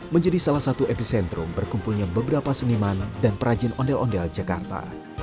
menjadi salah satu epicentrum berkumpulnya beberapa seniman dan perajin ondel ondel jakarta